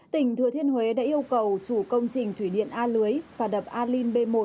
tỉnh thừa thiên huế đã yêu cầu chủ công trình thủy điện a lưới và đập alin b một